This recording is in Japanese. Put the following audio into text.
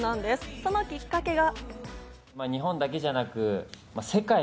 そのきっかけが。